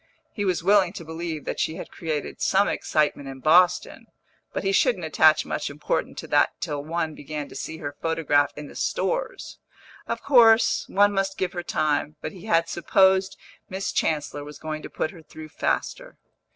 He was willing to believe that she had created some excitement in Boston, but he shouldn't attach much importance to that till one began to see her photograph in the stores. Of course, one must give her time, but he had supposed Miss Chancellor was going to put her through faster.